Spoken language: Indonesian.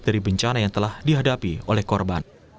dari bencana yang telah dihadapi oleh korban